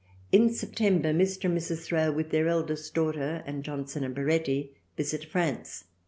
In September Mr. and Mrs. Thrale v^ith their eldest daughter and Johnson and Baretti visit France.